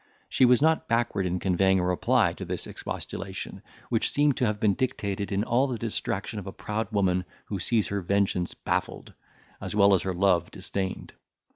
She was not backward in conveying a reply to this expostulation, which seemed to have been dictated in all the distraction of a proud woman who sees her vengeance baffled, as well as her love disdained.